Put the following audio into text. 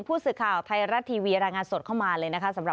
ผู้ศึกข่าวไทยรัดทีวีรายงานสดเข้ามาเลยนะคะ